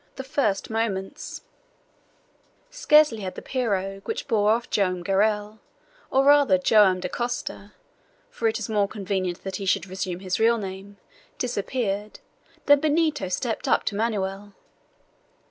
THE FIRST MOMENTS Scarcely had the pirogue which bore off Joam Garral, or rather Joam Dacosta for it is more convenient that he should resume his real name disappeared, than Benito stepped up to Manoel.